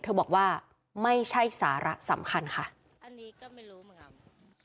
เธอบอกว่าไม่ใช่สาระสำคัญค่ะอันนี้ก็ไม่รู้เหมือนกัน